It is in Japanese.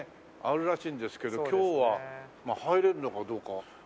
あるらしいんですけど今日は入れるのかどうか。